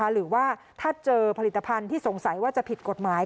หรือว่าถ้าเจอผลิตภัณฑ์ที่สงสัยว่าจะผิดกฎหมาย